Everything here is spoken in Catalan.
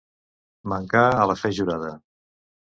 Mancar a la fe jurada.